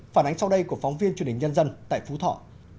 phản ánh sau đây của phóng viên truyền hình nhân dân tại phú thọ